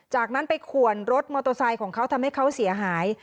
จากนั้นไปขวนรถมอเตอร์ไซค์ของเขาทำให้เขาเสียหาย